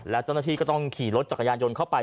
แล้วเจ้าหน้าที่ก็ต้องขี่รถจักรยานยนต์เข้าไป